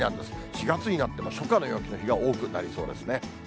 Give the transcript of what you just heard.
４月になっても、初夏の陽気の日が多くなりそうですね。